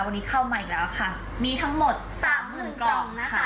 วันนี้เข้ามาอีกแล้วค่ะมีทั้งหมดสามหมื่นกล่องนะคะ